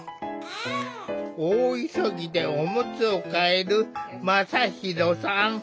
大急ぎでおむつを替える真大さん。